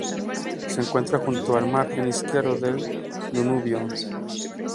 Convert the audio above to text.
Se encuentra junto a la margen izquierda del Danubio.